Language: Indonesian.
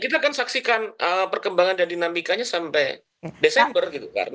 kita akan saksikan perkembangan dan dinamikanya sampai desember gitu